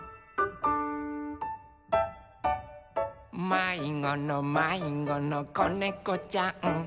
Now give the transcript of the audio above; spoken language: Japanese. ・「まいごのまいごのこねこちゃん」